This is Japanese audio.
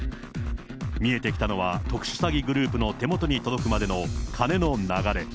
見えてきたのは、特殊詐欺グループの手元に届くまでの金の流れ。